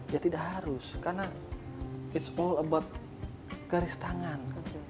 ya tidak harus karena it's all about garis tangan